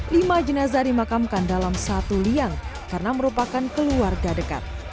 lima jenazah dimakamkan dalam satu liang karena merupakan keluarga dekat